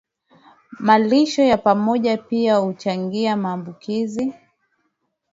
Malisho ya pamoja pia huchangia maambukizi